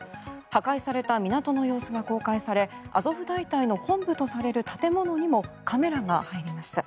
破壊された港の様子が公開されアゾフ大隊の本部とされる建物にもカメラが入りました。